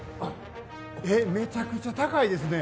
えっ、めちゃくちゃ高いですね。